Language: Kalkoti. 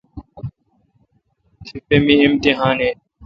تی پہ می امتحان این۔